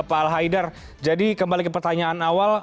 bang al haydar jadi kembali ke pertanyaan awal